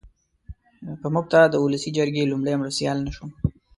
په مفته د اولسي جرګې لومړی مرستیال نه شوم.